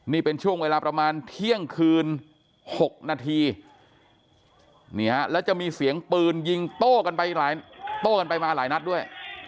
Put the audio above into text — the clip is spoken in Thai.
นี่เป็นช่วงเวลาประมาณเที่ยงคืน๖นาทีแล้วจะมีเสียงปืนยิงโต้กันไปมาหลายนัดด้วย